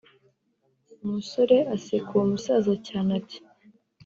umusore aseka uwo musaza cyane ati